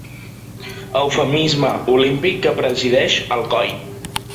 Eufemisme olímpic que presideix Alcoi.